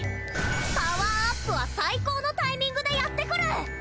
パワーアップは最高のタイミングでやってくる！